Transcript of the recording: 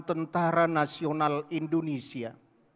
tentara nasional indonesia